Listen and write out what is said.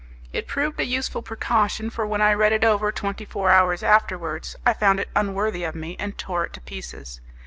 It proved a useful precaution, for when I read it over, twenty four hours afterwards, I found it unworthy of me, and tore it to pieces.